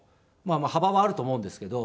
幅はあると思うんですけど。